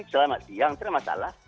selamat siang tidak masalah